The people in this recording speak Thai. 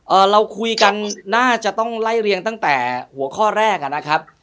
เราคุยกันน่าจะต้องไล่เรียงตั้งแต่หัวข้อแรกอ่ะนะครับ